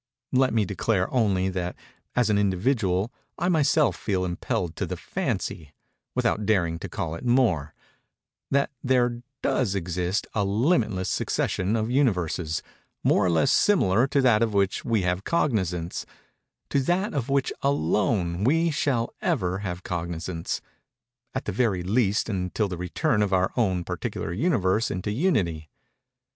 Let me declare, only, that, as an individual, I myself feel impelled to the fancy—without daring to call it more—that there does exist a limitless succession of Universes, more or less similar to that of which we have cognizance—to that of which alone we shall ever have cognizance—at the very least until the return of our own particular Universe into Unity.